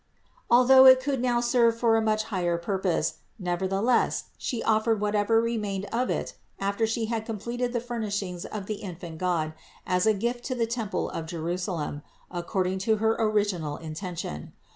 Although it could now serve for another much higher purpose, nevertheless, She offered whatever re mained of it after She had completed the furnishings of the infant God as a gift to the temple of Jerusalem, ac cording to her original intention.